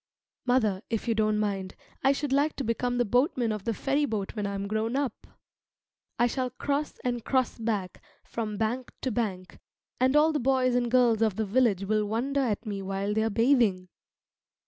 Mother, if you don't mind, I should like to become the boatman of the ferryboat when I am grown up. I shall cross and cross back from bank to bank, and all the boys and girls of the village will wonder at me while they are bathing.